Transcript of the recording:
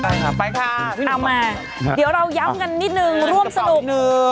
เอามาเดี๋ยวเราย้ำกันนิดนึงร่วมสนุก